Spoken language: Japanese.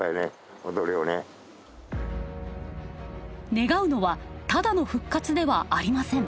願うのはただの復活ではありません。